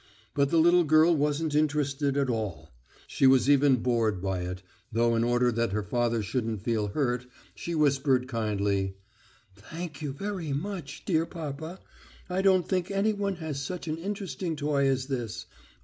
But the little girl wasn't interested at all; she was even bored by it, though in order that her father shouldn't feel hurt she whispered kindly: "Thank you very very much, dear papa. I don't think anyone has such an interesting toy as this....